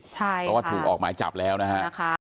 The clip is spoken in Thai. เพราะว่าถูกออกหมายจับแล้วนะฮะ